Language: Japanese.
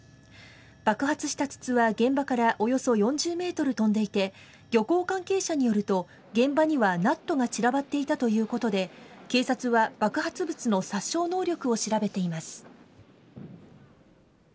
爆発した筒は現場からおよそ４０メートル飛んでいて、漁港関係者によると、現場にはナットが散らばっていたということで、警察は爆発物の殺傷能力を調べています。